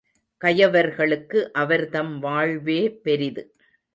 கயவர்களுக்கு அவர்தம் வாழ்வே பெரிது.